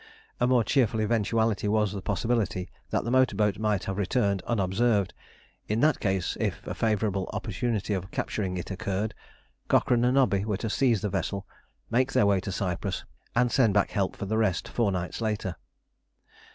A more cheerful eventuality was the possibility that the motor boat might have returned unobserved. In that case if a favourable opportunity of capturing it occurred, Cochrane and Nobby were to seize the vessel, make their way to Cyprus, and send back help for the rest four nights later.